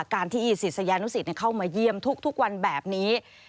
การที่ศิษยานุสิตเข้ามาเยี่ยมทุกวันแบบนี้